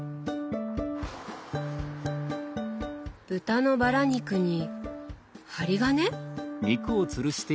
豚のバラ肉に針金？